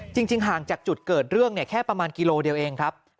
จริงห่างจากจุดเกิดเรื่องแค่ประมาณกิโลเดียวเองครับ